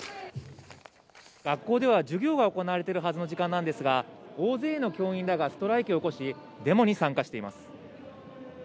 学校では授業が行われているはずの時間なんですが、大勢の教員らがストライキを起こし、デモに参加しています。